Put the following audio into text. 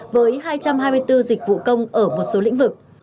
với hai trăm hai mươi bốn dịch vụ công ở một số lĩnh vực